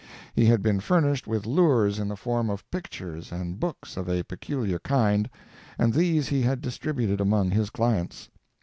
He had been furnished with lures in the form of pictures and books of a peculiar kind, and these he had distributed among his clients.